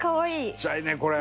ちっちゃいねこれ。